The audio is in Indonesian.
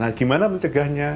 nah gimana mencegahnya